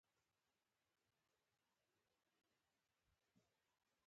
غله دانه د خدای نعمت دی.